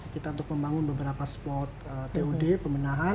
kita untuk membangun beberapa spot tod pemenahan